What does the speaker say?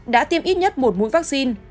đã tiêm ít nhất một mũi vaccine